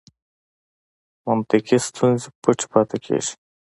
منطقي ستونزې پټې پاتې کېږي.